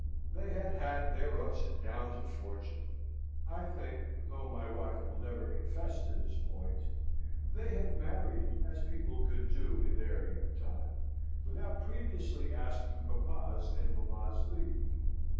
They had had their ups and downs of fortune. I think (though my wife will never confess to this point) they had married, as people could do in their young time, without previously asking papa's and mamma's leave.